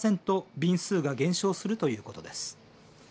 便数が減少するということです。